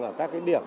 ở các cái điểm